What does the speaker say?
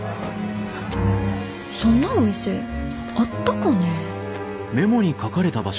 そんなお店あったかね？